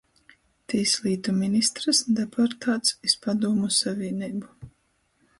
Tīslītu ministrs, deportāts iz Padūmu Savīneibu.